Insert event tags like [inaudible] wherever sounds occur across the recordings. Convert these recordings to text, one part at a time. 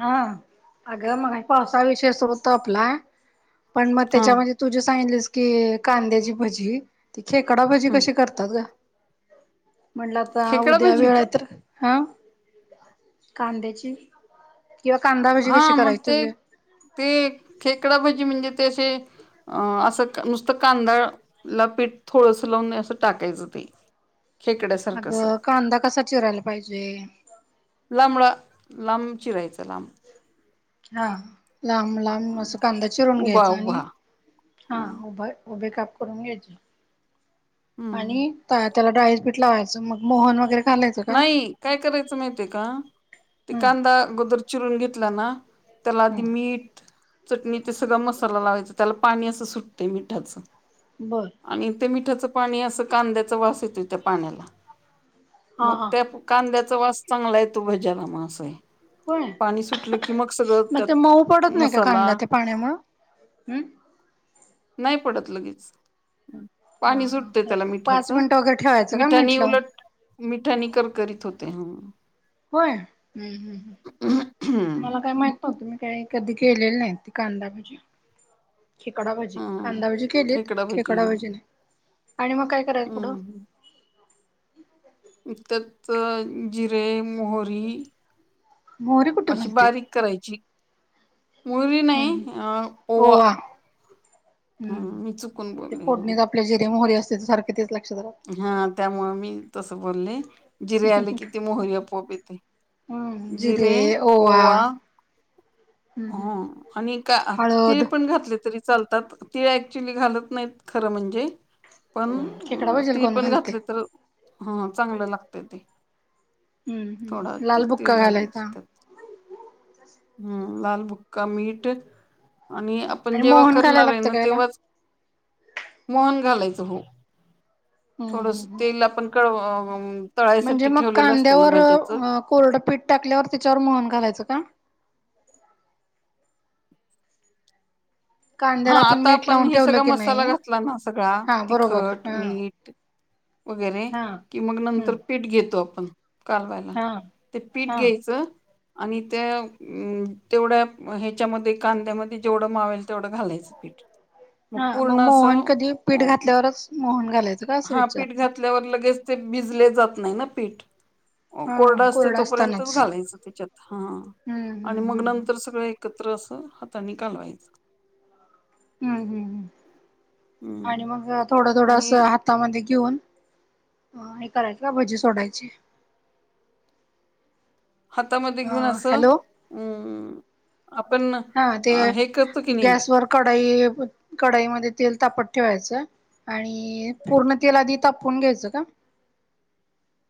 हा, अगं मा पावसा विषय सुरु होत आपला, पण मग हा त्याच्यामध्ये तु सांगितलीस की कांद्याची भज्जी, ती खेकडा भज्जी ह कशी करतात ग? म्हटलं आता, खेकडा उद्या भजी वेळ आहे तर. हा कांद्याची ह्यो खांदा हा मग ते, ते खेकडाभज्जी म्हणजे तेे अशे अं, असं नुसतं कादं ला पीठ थोडंस लावून नाही असं टाकायचं ते. खेकड्यासारखं असं अगं, कांदा कसा चिरायला पाहिजे? लांबळा, लांब चिरायचां लांब. हा लांब लांब अस कांदा चिरून उभा घ्यायचा. उभा आणि हा हम्म उभे उभे काप करून घ्यायचे. आणि त्याला डाळीचपीठ लावायचं. म मोहन वगैरे घालायचं का हम्म नाही. काय करायचं माहितीय का? ते कांदा गोदर चिरून घेतला ना त्याला आधी हम्म मीठ, चटणी ते सगळा मसाला लावायचं. त्याला पाणी असं सुटतं मिठाचं. बरं. आणि ते मिठाचं पाणी असं कांद्याचं वास येतोय त्या पाण्याला. म हा त्या कांद्याचा वास चांगला येतो. भज्याला म असंय. होय पाणी सुटलं की, मग सगळं मग ते त्यात मऊ पडत नाही का मसाला कांदा ते पाण्यामुळं हम्म नाही पडत लगेच. हा पाणी सुटतय हा एक त्याला पाच मिठाचं. मिनिटं वगैरे ठेवायचं का मिठानी म्हटलं उलट मिठानी कर करीत होते. हम्म. होय. हम्म, हम्म, हम्म. मला काय माहि आपुनी काय कधी केलेली नाही ती कांदा भजी. खेकडा भजी. कांदा भाजी केलीत. खेकडा भजी नाय. आणि मग काय करायच पुढं? त्यातच जिरे, मोहरी मोहरी कुठे अशी घालतेत बारीक करायची. मोहरी हम्म नाही हम्म अ ओवा. ह. मी चुकून ते बोलले ह. फोडणीत आपल्या जिरे मोहरी असत्यात ते. सारख तेच लक्षात रहातात. हा त्यामुळे मी तसं बोलले. जिरे आले कि ती मोहरी आपोआप येती. जिरे, ओवा. हम्म हो आणि का हळद तीळ पण घातले तरी चालतात. तिळ ऍक्च्युली घालत नाहीत खरं म्हणजे. पण खेकडा भजीला तीळ कोण पण घालते घातली तर, ह चांगलं लागते ते. हम्म थोडा हम्म. ते लाल तीळ बुक्का घालायचे घालायचा? त्यात हम्म लाल बुक्का, मीठ आणि आपण जेव्हा मोहन घालायला करणारे लागतं ना का याला तेव्हाच मोहन घालायच, हो. हम्म थोडस हम्म हम्म. तेल आपण कळव [unintelligible] म्हणजे मग ठेवलेलं असतं ना कांद्यावर भज्याचं कोरड पीठ टाकल्यावर त्याच्यावर मोहन घालायचं का? हा कांद्याला आता मीठ आपण लावून हे ठेवलं सगळा की मसाला नाही घातला ना. सगळा. हा बरोबर तिखट, हा मीठ वगैरे, हा. कि मग हम्म नंतर पीठ घेतो आपण. कालवायला, हा ते पीठ हा घ्यायचं. आणि त्या तेवढ्या ह्याच्यामध्ये कांद्यामध्ये जेवढं मावेल तेवढं घालायचं पीठ. हा मग म पूर्ण मोहन असं कधी? पीठ अं घातल्यावरच मोहन घालायचं? का असं हा पीठ विचारते घातल्यावर लगेच ते भिजले जात नाही ना पीठ. हा कोरड असतय कोरडा असतानाच तोपर्यंतच घालायच त्याच्यात. हा. हम्म आणि हम्म मग हम्म. नंतर सगळे एकत्र अस हातानी कालवायचं. हम्म हम्म हम्म, हम्म आणि मग थोडं थोडं अस आणि हा हातामध्ये घेऊन हे करायचे का? भजी सोडायची? हातामध्ये अ घेऊन असं. हॅलो अम् आपण हा ते हे करतो की नाही? गॅसवर कढई, कढईमध्ये तेल तापत ठेवायचं. आणि पूर्ण तेल आधी तापउन घ्यायचं का?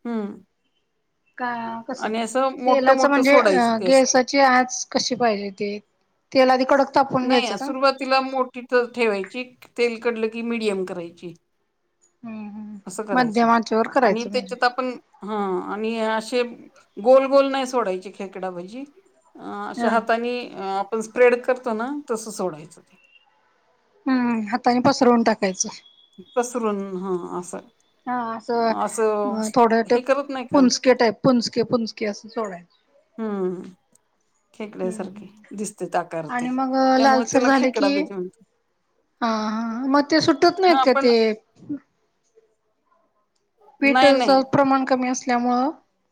हम्म का कस, आणि असं मोठं तेलाच मोठं म्हणजे सोडायचं ते असं गॅस ची आच कशी पाहिजे ते, तेल आधी कडक तापून घ्यायचं नाही का सुरुवातीला मोठी तर ठेवायची, तेल कढल की मिडियम करायची. हम्म हम्म अस करायच, मध्यम आचेवर आणि करायचं म्हणजे त्याच्यात आपण हा आणि असे गोल गोल नाही सोडायचे खेकडा भजी. अ अशा हा हाताने आपण स्प्रेड करतो ना, तस सोडायच ते. हम्म हाताने पसरवून टाकायच. पसरून हा अस हा अस थोड ते हे करत नाही का पुंचके टाईप. पुंचके पुंचके अस सोडायच. हम्म खेकड्यासारखे दिसतात आकार ते. आणि मग त्यामुळे लालसर तिला झाले खेकडा की भजी म्हणतात. हा हा मग ते सुटत नाहीत हा का पण ते नाही पीठाच नाही प्रमाण कमी असल्यामुळ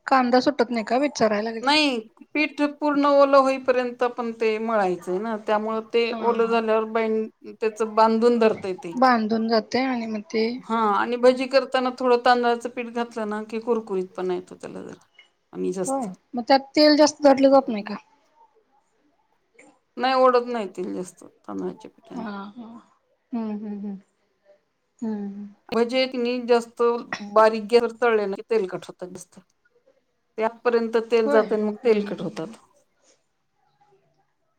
कांदा सुटत नाही का विचाराय लागले. नाही, पीठ पूर्ण ओल होईपर्यंत पण ते मळायचय ना. त्यामुळे ते हा ओल हा. झाल्यावर ब त्याच बांधून धरतय ते. बांधून जाते आणि मग ते हा आणि भजी करताना थोड तांदळाच पीठ घातल ना की, कुरकुरीत पण येतो त्याला‌ जरा आणि होय. जास्त. मग त्यात तेल जास्त, दाटल जात नाही का? नाही ओढत नाही तेल जास्त तांदळाच्या हा पिठाने. हम्म हम्म हम्म हम्म भजे कि नाही जास्त बारीक गॅसवर तळले ना की, तेलकट होतात जास्त. ते आत्तापर्यंत तेल होय जात. आणि मग हम्म तेलकट हम्म. होतात.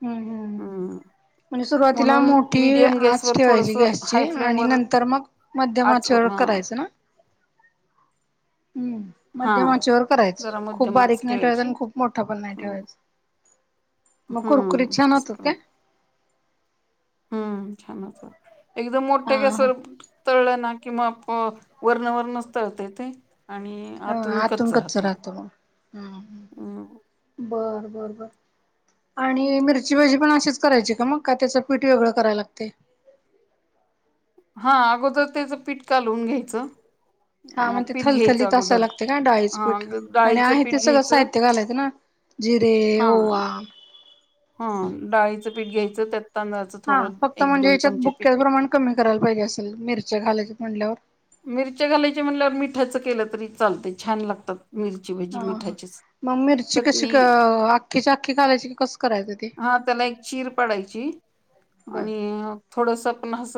हम्म हम्म हम्म म्हणजे सुरुवातीला म्हणून मोठी मीडियम आच गॅसवर ठेवायची थोडस गॅसची. हाय फ्लेम आणि वर नंतर मग मध्यम आचवर आचेवर हा करायच ना. हम्म हा मध्यम आचेवर करायच. जरा खूप मध्यम आच बारीक नाही ठेवायचा. ठेवायची आणि खूप मोठ पण नाही हम्म ठेवायचा. मग कुरकुरीत हम्म छान असं होतात काय? हम्म छान होतात. एकदम हा मोठ्या हा. गॅसवर तळल ना किंवा वरण वरणच तळतय ते. आणि हम्म आतून कच्च कच राहते. रहात मग. हम्म हम्म बर बर बर आणि मिरची भजी पण असीच करायची का मग. कि त्याच पीठ वेगळ कराय लागतय. हा अगोदर त्याच पीठ कालवून घ्यायच. हा मग ते थलथलीत असाव लागते का डाळीच हा पीठ. ग- आणि डाळीचं आहे ते पीठ सगळ घ्यायचं साहित्य घालायच ना. जिरे, हा ओवा हा डाळीच पीठ घ्यायच, त्यात तांदळाच हा थोड फक्त एक म्हणजे दोन याच्यात चमचे पीठ बुक्क्याच प्रमाण कमी करायला पाहिजे असेल, मिरच्या घालायच्यात म्हटल्यावर मिरच्या घालायची म्हणल्यावर मिठाच केल तरी चालत. छान लागतात मिरची भजी हा ह मिठाचीच. मग मिरची कशी चटणी, अख्खीची अख्खी घालायची की कसं करायचं ते हा त्याला एक चीर पाडायची. बर आणि थोडस पण अस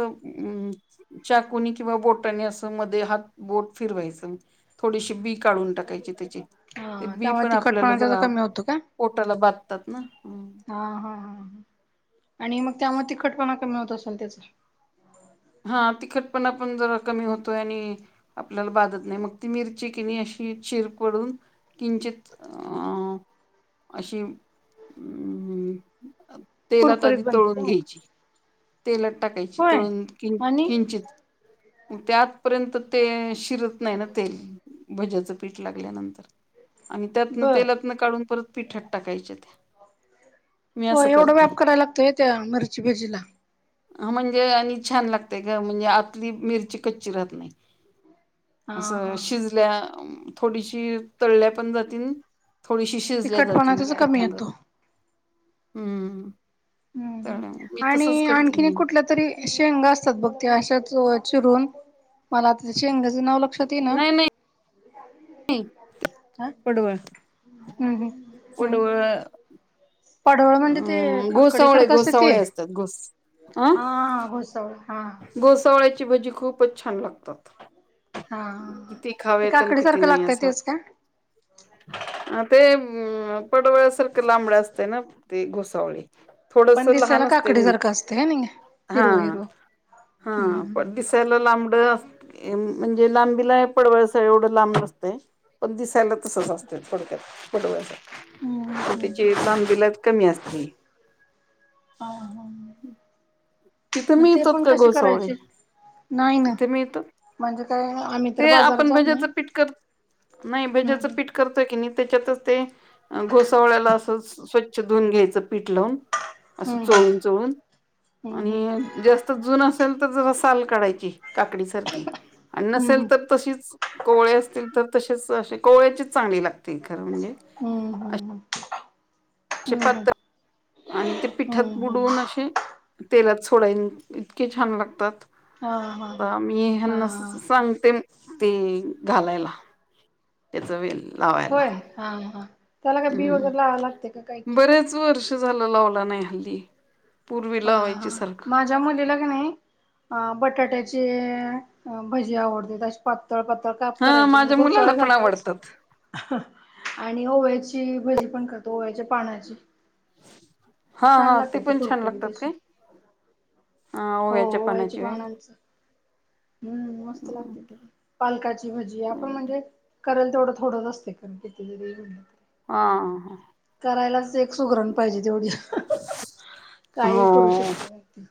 चाकुनी किंवा बोट अस मध्ये हात बोट फिरवायच. थोडीशी बी काढून टाकायची त्याची. हां तेंव्हा तिखटंपणां त्यांचं कमी होतं कां? पोटलां बांधतात नां आंहा हां हां. आणि मंग त्यामूळे तिखटंपणां कमी होतं असेल त्यांचा. हां तिखटं पणं आपणं जरां कमी होतोय आणि आपल्यांला बांधत नाहीं मंग ती मिर्ची कि नाहीं अशीचीरपडूंन कचितंअं.... अशी तेलांत कुरकुरीत आंधी बनते का तळूंन मग घ्यांयची तेलांत टाकूणयंची होय तळूंन आणि घ्याची चीते त्यांतपर्यंत ते शिरतं नाहीं नां तेल. भज्याचं पीठ लागल्यानंतर आणि त्यांतनं बर तेलातनं काढूंन परंत पिठांत टाकांयच्यां त्यां हो एवढां व्यांप करायंला लागतंय व त्यां मिर्ची भजीला. हं म्हणजे आणि छान लागतेय गं म्हणजे आंतली मिर्ची कच्ची राहतं नाहीं. हा असं हा शिजल्यां थोडीशी तळल्यां पणं जाते. थोडीशी शिजल्यां जाते तिखटपणा मंग त्याचा कमी पिठांवर येतो हम्मं.. हम्मं.. आणि आणखीन एक नेहमी कुठलं तरी शेंगा असतांत बघं ते अशांच चिरूंन मलां आंता शेंगाचं नांव लागतं. लक्षांत एईनां नाही नाही नाही आंह पडवळ हम्मं हम्मं हम्मं अं.. पडावळं म्हणजे ते काकडी सारखं असंतं ते. घोसावळे असतात घोस हां होसवळं हां गोसावळ्यांची भजी खूपचं छान लागतांत हां ते आणि काकडी किती सारखं लागतं तेचं कां अं ते पडवळ्यांसारखं लांबड असतं नां ते घुसांवळी पण थोडंसं दिसायला लहांन असते काकडीसारखं उंची असतंय हाय नी हिरवं हां हिरवं हम्म हां हम्म पणंस लां लांबड म्हणजे लांबीला पडवांळसाठी एवढं लांब नसते पणं दिसांयला तसंच असते थोडक्यांत पाडवस हम्म हम्म त्यांची कामबिला इंच कमी असते हं तिथे मंग ते मिळतात पणं का कसे घोसावळे करायचे नाहीं नां तिथे मिळतात म्हणजे कायं आम्हीं तरं बाजारांत जातं नाहीं नाहीं भेज्याचं पीठ करतोय की नाहीं त्यांच्यातच ते घोसावळ्यांला असं स्वंच्छ धुंन घ्यायचं पिटलावूंन असं हम्म चोळूंन चोळूंन हम्म आणि जास्तं जुंन असेल तरं जरां सालं काढांयची काकडीचे आणि हम्म नसेल हम्म तरं तशीच कोवळी असतील तरं तसेच कोवळ्यांची चांगणी लागते. ते खरं म्हणजे हम्मं हम्मं असे पातळ आणि ते पिठांत हम्म हम्म बुडवूंन असे तेलांत सोडावं इतके छान लागतांत हा हा हा आम्हीं यांना मी ह्यांना हा सांगते ते घालांयला त्यांचा वेल लावांयला हां हां त्यांला कां बी वगैरें लांवा लागते कायं की रेचवरं ते झालं लावलं नाहीं हल्ली पूर्वी हां हां लावायची सारखं माझं ज्या मुलीला का नाही अ बटाट्याचे भजी आवडते त्या प पळ पळ काप हा करायची म्हणजे माझ्या खूप मुलाला पण सळ्यासारखंच. आवडतात आणि ओव्याची भजी पण करतो ओव्याच्या पानाची. हा छान हा ते लागतात पण छान कुरकुरीत लागतात असे काय. हा हो ओव्याच्या ओव्याचे पानाची होय पानांचं हम् मस्त लागते ते. पालकाची भजी आपण म्हणजे करेल तेवढं थोडंच असते कितीतरी म्हण हां! करायलाच एक सुगरण पाहिजे तेवढी. हो काही करू शकते व्यक्ती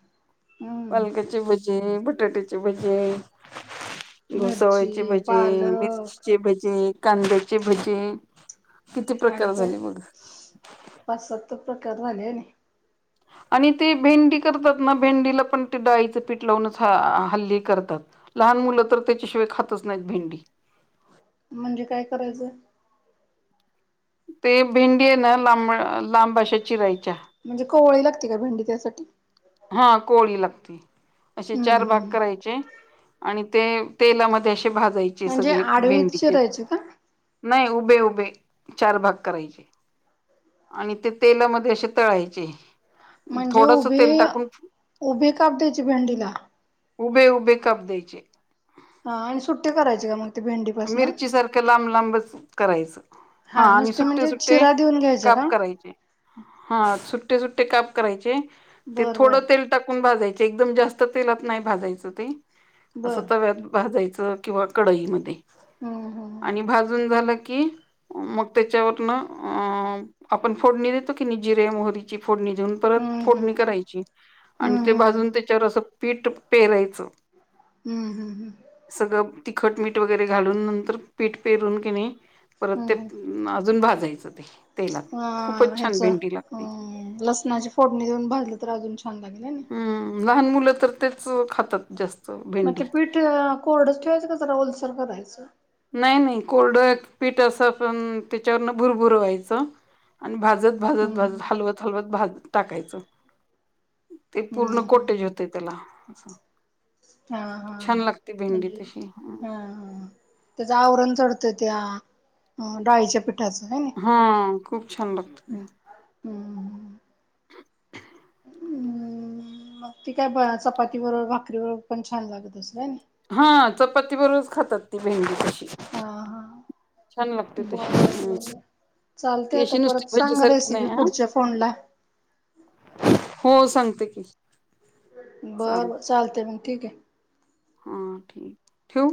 हम्म पालकची ब भजे बटाट्याचे भजी घोसावळची मिरची भजी मिरची पालक ची भजी कांद्याची भजीय, आणि का पाच साततर प्रकार झाले. आणि ते भेंडी करतात ना भेंडीला पण ते डाळीचं पीठ लावूनच ह हल्ली करतात. लहान मुलं तर त्याच्याशिवाय खातच नाहीत भेंडी. म्हणजे काय करायचं? ते भेंडी आहे ना लांब- लांब अशा चिरायच्या. म्हणजे कवळी लागते का भेंडी त्यासाठी. हा कोळी लागते असे हम्म चार भाग हम्म करायचे. आणि ते तेलामध्ये असे भाजायचे म्हणजे सगळे आडवीत भेंडीचे चिरायची का नाही उभे उभे चार भाग करायचे. आणि ते तेलामध्ये अशे तळायचे. म्हणजे थोडस तेल उभे टाकून उभे काप द्यायचे भेंडीला. उभे उभे काप द्यायचे. हा आणि सुट्टे करायचे का मग? ते भेंडीपासन मिरची सारखं लांब लांबच करायचं. हा आणि नुसते सुट्टे म्हणजे सुट्टे चिरा देऊन घ्यायचं काप का करायचे. हा सुट्टे सुट्टे काप करायचे ते बर थोडं बर तेल टाकून भाजायचे एकदम जास्त तेलात नाही भाजायचं ते असं बर तव्यात भाजायचं. किंवा कडईमध्ये हम्म हम्म आणि भाजून झालं की मग त्याच्यावरन अ आपण फोडणी देतो की नाही जिरे मोहरीची फोडणीेदेऊन परत हम्म फोडणी करायची आणि हम्म ते हम्म भाजून त्याच्यावर अस पीठ पेरायचं. हम्म हं हं. सगळं तिखट, मीठ वगैरे घालून नंतर पीठ पेरून केणे परत हम्म ते हम्म म अजून भाजायचं ते. तेलात अ खूपच छान ह्याच भेंडी अ लागते. लसणाची फोडणी देऊन भाजलं तर अजून छान लागल हनी. हम् लहान मुलं तर तेच खातात जास्त. मग ते भेंडी. पीठ कोरडच ठेवायचं का जरा ओलसर करायचं? नाही नाही कोरड पीठ असं पण त्याच्यावरन भुरभुर व्हायचं आणि भाज भाजत भाजत हम्म भाजत हलवत हलवत भाज टाकायचं ते पूर्ण हम्म कोटेज हम्म होतेय. तेला. अच्छा. हा हा भेंडी म्हणजे? तशी हा हा. त्याचं आवरण चढतय त्या डाळीच्या पिठ पिटाचं मेनी. हं खूप छान लागतो ते. हम्म्. [inaudible] हम् मग ती काय भा -चपाती बरोबर भाकरी बरोबर पण छान लागत असलं हाय नाय? हा चपाती बरोबरच खातात ती भेंडी तशी. हा हा छान लागते बर तशी बर बर. ती चालतय आता अशी नुसती परत भजी सांग सारखी रेसिपी नाही हा पुढच्या फोनला. हो सांगते की‌. बर बर चालतय मग ठीक ए. हा ठीक ठेवू?